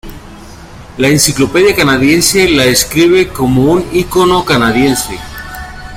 La "Enciclopedia Canadiense" la describe como un "icono canadiense".